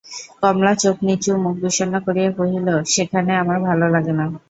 কমলা চোখ নিচু, মুখ বিষণ্ন করিয়া কহিল, সেখানে আমার ভালো লাগে না।